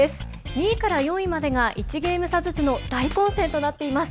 ２位から４位までが１ゲーム差ずつの大混戦となっています。